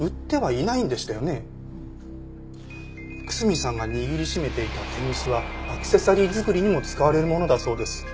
楠見さんが握り締めていたテグスはアクセサリー作りにも使われるものだそうです。